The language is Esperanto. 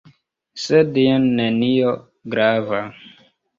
Sed jen nenio grava.